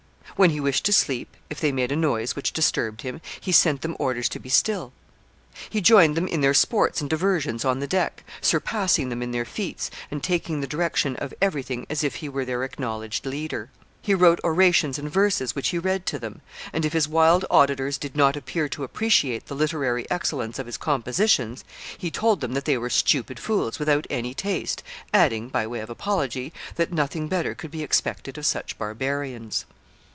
When he wished to sleep, if they made a noise which disturbed him, he sent them orders to be still. He joined them in their sports and diversions on the deck, surpassing them in their feats, and taking the direction of every thing as if he were their acknowledged leader. He wrote orations and verses which he read to them, and if his wild auditors did not appear to appreciate the literary excellence of his compositions, he told them that they were stupid fools without any taste, adding, by way of apology, that nothing better could be expected of such barbarians.